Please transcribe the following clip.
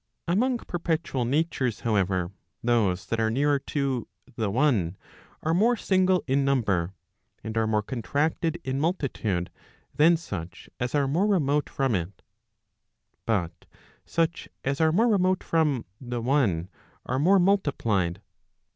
Among perpetual natures, however, those that are nearer to the one , are more single in number, and are more contracted in multitude, than such as are more remote from it. Digitized by t^OOQLe 436 ELEMENTS PROP. CCIV. But such as are more remote from the one , are more multiplied.